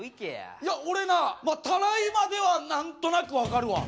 いや俺なたらいまでは何となく分かるわ。